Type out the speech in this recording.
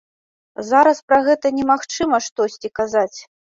Зараз пра гэта немагчыма штосьці казаць.